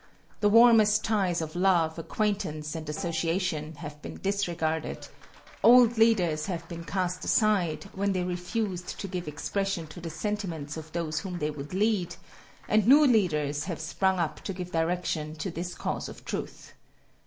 The warmest ties of love, acquaintance, and association have been disregarded; old leaders have been cast aside when they refused to give expression to the sentiments of those whom they would lead, and new leaders have sprung up to give direction to this cause of truth.